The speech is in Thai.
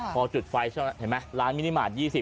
พอจุดไฟเฉพาะนะเห็นมั้ยร้านมินิมารดิ๒๐